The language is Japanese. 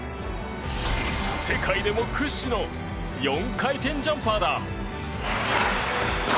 世界でも屈指の４回転ジャンパーだ。